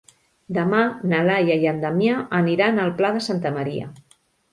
Demà na Laia i en Damià aniran al Pla de Santa Maria.